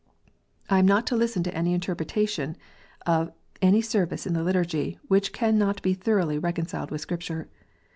I am not to listen to any interpretation of any Service in the Liturgy, which cannot be thoroughly recon ciled with Scripture.